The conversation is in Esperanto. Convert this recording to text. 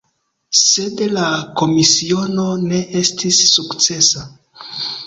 Sed la komisiono ne estis sukcesa.